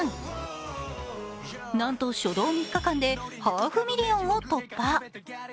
なんと初動３日間でハーフミリオンを突破。